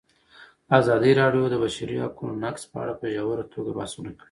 ازادي راډیو د د بشري حقونو نقض په اړه په ژوره توګه بحثونه کړي.